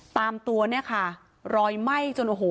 ตามตัวเนี่ยค่ะรอยไหม้จนโอ้โห